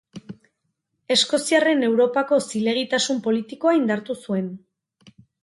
Eskoziarren Europako zilegitasun politikoa indartu zuen.